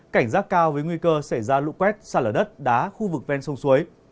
cảnh giác cao với nguy cơ xảy ra lụ quét sạt lở đất đá khu vực ven sông suối